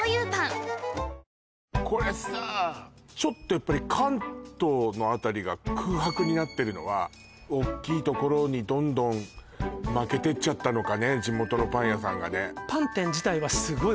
これさちょっとやっぱり関東のあたりが空白になってるのはおっきいところにどんどん負けてっちゃったのかね